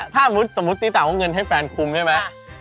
ถ้าสมมุติตี้เต่าเอาเงินให้แฟนคุมใช่ไหม